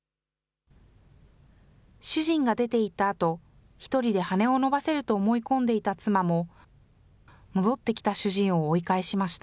主人が出て行ったあと、１人で羽を伸ばせると思い込んでいた妻も、戻ってきた主人を追い返しました。